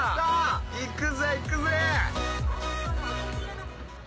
いくぜいくぜ。